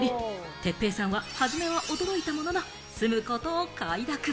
哲平さんは初めは驚いたものの、住むことを快諾。